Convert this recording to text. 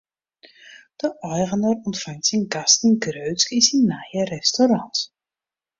De eigener ûntfangt syn gasten grutsk yn syn nije restaurant.